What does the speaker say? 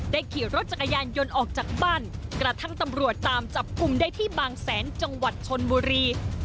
ขี่รถจักรยานยนต์ออกจากบ้านกระทั่งตำรวจตามจับกลุ่มได้ที่บางแสนจังหวัดชนบุรี